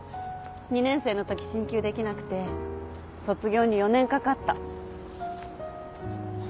２年生のとき進級できなくて卒業に４年かかった。